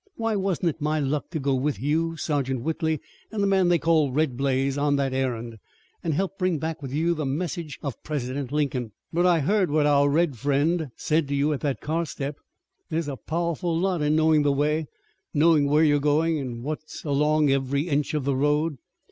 Why wasn't it my luck to go with you, Sergeant Whitley, and the man they call Red Blaze on that errand and help bring back with you the message of President Lincoln? But I heard what our red friend said to you at the car step. There's a powerful lot in knowing the way, knowing where you're going, and what's along every inch of the road.